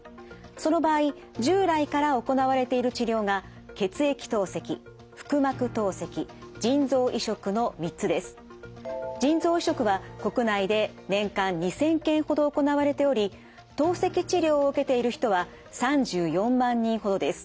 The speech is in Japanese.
その場合従来から行われている治療が腎臓移植は国内で年間２，０００件ほど行われており透析治療を受けている人は３４万人ほどです。